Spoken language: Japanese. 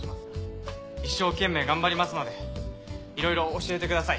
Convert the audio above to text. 一生懸命頑張りますのでいろいろ教えてください。